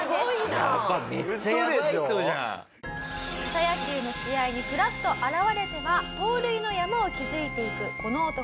草野球の試合にフラッと現れては盗塁の山を築いていくこの男。